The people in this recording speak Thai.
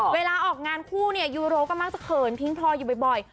เวลาออกงานคู่เนี่ยยูโรก็มักจะเขินทิ้งพลอยอยู่บ่อย